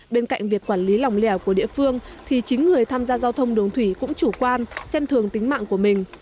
bên cạnh việc quản lý lòng lẻo của địa phương thì chính người tham gia giao thông đường thủy cũng chủ quan xem thường tính mạng của mình